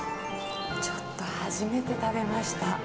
ちょっと初めて食べました。